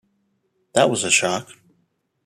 That was a shock.